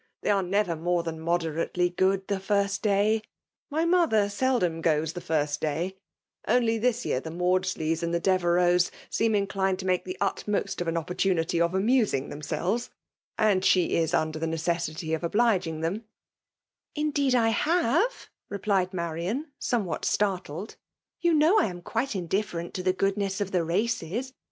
They aiie never 'more* than moderately good the first day;— diy^ motlier seldom goes the first day, — only'thl»^ year, tlie Maudsleys and Devcreuxes seem inolined to make the utmost of an opportdfiiVy ' o£ amufiuig themselves, and she is unde^ the' necessity of obliging them/' ' i '^ Indeed / have,'' replied Marian, somewhat^ ' stiurtled; '* you I know I am quite indifferent' to the goodness of the races.